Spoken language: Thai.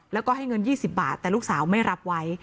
แล้วก็ให้เงิน๒๐บาทแต่ลูกสาวไม่รับไว้